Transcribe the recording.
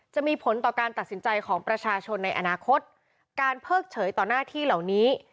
จะมีผลต่อการตัดสินใจของประชาชนในอนาคตการเพิกเฉยต่อหน้าที่เหล่านี้